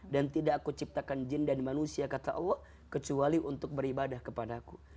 dan tidak aku ciptakan jin dan manusia kata allah kecuali untuk beribadah kepada aku